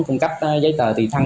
hôm nay là ngày năm tháng bốn